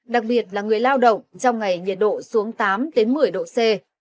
đặc biệt là người lao động trong ngày nhiệt độ xuống tám một mươi độ c